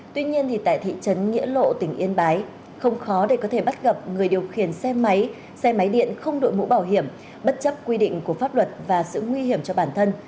tuy nhiên tại thị trấn nghĩa lộ tỉnh yên bái không khó để có thể bắt gặp người điều khiển xe máy xe máy điện không đội mũ bảo hiểm bất chấp quy định của pháp luật và sự nguy hiểm cho bản thân